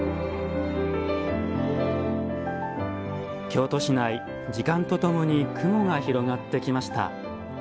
京都市内時間とともに雲が広がってきました。